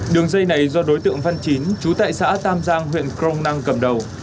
đường dây này do đối tượng văn chín chú tại xã tam giang huyện crong năng cầm đầu